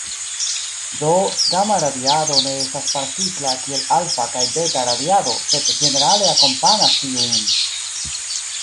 Do, gama-radiado ne estas partikla kiel alfa- kaj beta-radiado, sed ĝenerale akompanas tiujn.